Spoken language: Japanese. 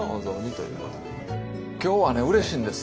今日はねうれしいんですよ。